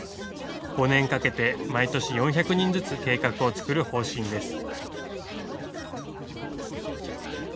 ５年かけて毎年４００人ずつ計画を作る方針です。